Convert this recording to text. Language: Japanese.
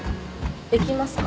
できますか？